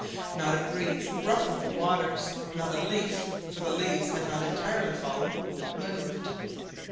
Not a breeze ruffled the waters, not a leaf (for the leaves had not entirely fallen) moved.